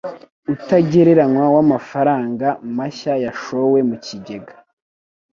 utagereranywa w'amafaranga mashya yashowe mu kigega